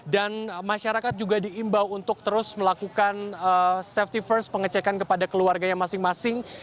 dan masyarakat juga diimbau untuk terus melakukan safety first pengecekan kepada keluarganya masing masing